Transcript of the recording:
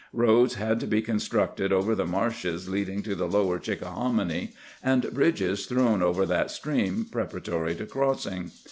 Roads had to be constructed over the marshes leading to the lower Chickahominy, and bridges thrown over that stream preparatory to crossing.